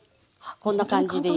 こんな感じでいいの。